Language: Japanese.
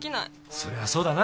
それはそうだな。